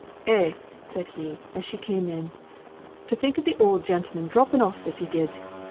"Eh!" said he, as she came in, "to think of th' oud gentleman dropping off as he did!